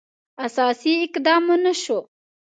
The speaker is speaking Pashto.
اساسي اقدام ونه شو.